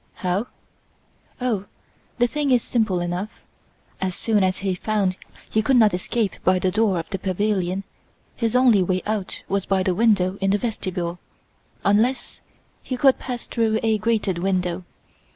"How? Oh, the thing is simple enough! As soon as he found he could not escape by the door of the pavilion his only way out was by the window in the vestibule, unless he could pass through a grated window.